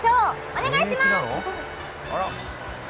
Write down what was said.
お願いします！